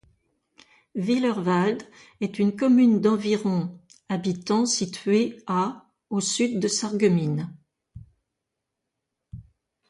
Willerwald est une commune d'environ habitants située à au sud de Sarreguemines.